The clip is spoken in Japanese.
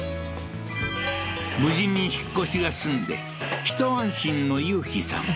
無事に引っ越しが済んで一安心の雄飛さん